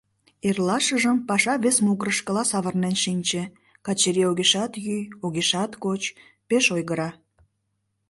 Эрлашыжым паша вес могырышкыла савырнен шинче: Качырий огешат йӱ, огешат коч, пеш ойгыра.